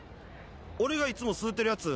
俺がいつも吸うてるやつ！